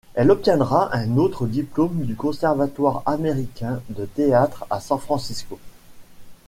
Elle obtiendra un autre diplôme du Conservatoire Américain de Théâtre à San Francisco.